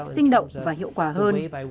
sinh động và hiệu quả hơn